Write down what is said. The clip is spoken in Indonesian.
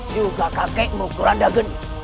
juga kakekmu kruandageni